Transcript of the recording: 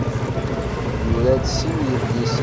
Yura-d sin n yidlisen.